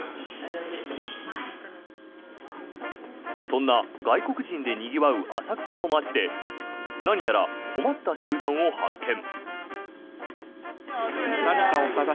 そんな外国人でにぎわう浅草の街で何やら困った集団を発見。